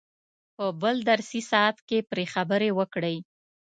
په بل درسي ساعت کې پرې خبرې وکړئ.